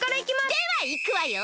ではいくわよ！